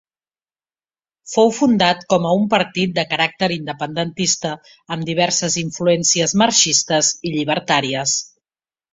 Fou fundat com a un partit de caràcter independentista, amb diverses influències marxistes i llibertàries.